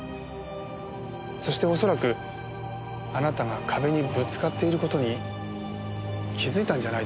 そして恐らくあなたが壁にぶつかっている事に気づいたんじゃないでしょうか。